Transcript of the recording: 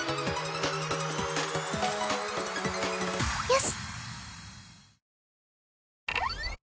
よし！